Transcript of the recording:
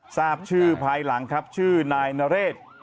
ทราบชื่อภายหลังครับชื่อนายนเรศ